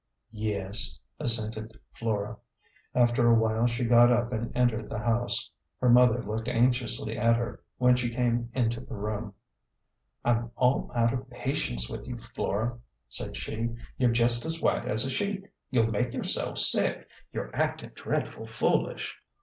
"Yes," assented Flora. After a while she got up and entered the house. Her mother looked anxiously at her when she came into the room. "I'm all out of patience with you, Flora," said she. "You're jest as white as a sheet. You'll make yourself sick. You're actin' dreadful foolish."